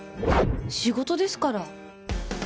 仕事ですから。